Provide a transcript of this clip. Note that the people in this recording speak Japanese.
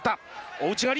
大内刈り！